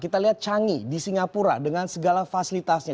kita lihat changi di singapura dengan segala fasilitasnya